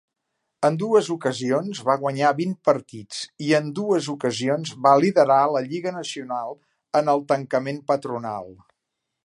En dues ocasions va guanyar vint partits i en dues ocasions va liderar la Lliga Nacional en el tancament patronal.